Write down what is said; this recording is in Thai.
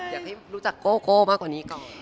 อยากให้รู้จักโกโก้มากกว่านี้ก่อน